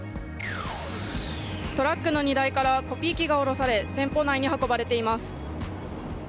トラックの荷台からコピー機が降ろされ店舗内に運ばれています。